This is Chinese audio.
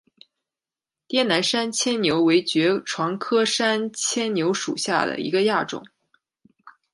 滇南山牵牛为爵床科山牵牛属下的一个亚种。